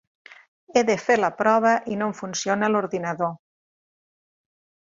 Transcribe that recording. He de fer la prova i no em funciona l'ordinador.